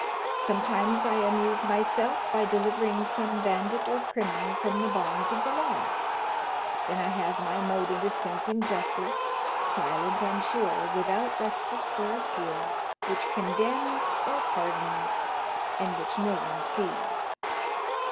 Sometimes I amuse myself by delivering some bandit or criminal from the bonds of the law. Then I have my mode of dispensing justice, silent and sure, without respite or appeal, which condemns or pardons, and which no one sees.